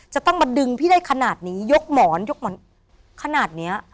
จะต้องมาดึงพี่ได้ขนาดนี้ยกหมอนยกหมอนขนาดเนี้ย